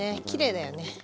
きれいだよね。